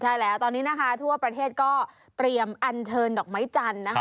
ใช่แล้วตอนนี้นะคะทั่วประเทศก็เตรียมอันเชิญดอกไม้จันทร์นะคะ